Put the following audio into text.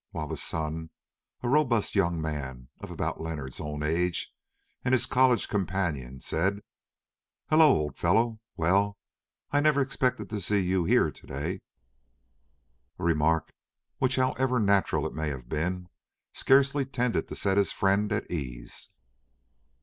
while the son, a robust young man of about Leonard's own age and his college companion, said "Hullo! old fellow, well, I never expected to see you here to day!"—a remark which, however natural it may have been, scarcely tended to set his friend at ease.